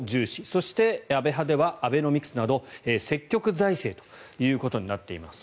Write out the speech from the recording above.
そして安倍派ではアベノミクスなど積極財政ということになっています。